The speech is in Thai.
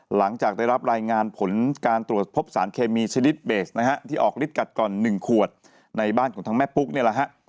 หลังจากได้รับรายงานผลการตรวจพบสารเคมีชนิดเบสนะฮะที่ออกฤทธิกัดก่อน๑ขวดในบ้านของทางแม่ปุ๊กเนี่ยแหละฮะ